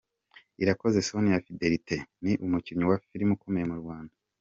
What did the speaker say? Irakoze Sonia Fidélité : ni umukinnyi wa film ukomeye mu Rwanda.